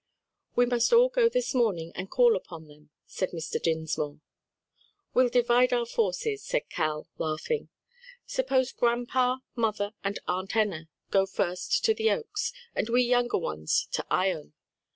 "We must all go this morning and call upon them," said Mr. Dinsmore. "We'll divide our forces," said Cal, laughing. "Suppose grandpa, mother and Aunt Enna, go first to the Oaks; and we younger ones to Ion?"